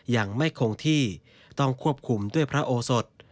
ยังไม่คงที่ต้องควบคุมด้วยพระโอสด